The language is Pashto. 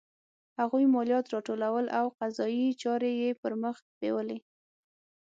هغوی مالیات راټولول او قضایي چارې یې پرمخ بیولې.